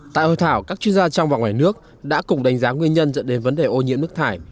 tại hội thảo các chuyên gia trong và ngoài nước đã cùng đánh giá nguyên nhân dẫn đến vấn đề ô nhiễm nước thải